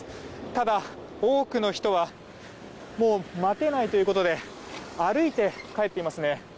ただ、多くの人はもう待てないということで歩いて帰っていますね。